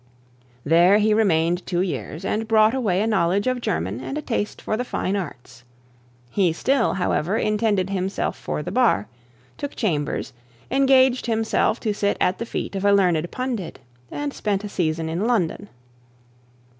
There he remained two years, and brought away a knowledge of German and a taste for the fine arts. He still, however, intended himself for the bar, took chambers, engaged himself to sit at the feet of a learned pundit, and spent a season in London.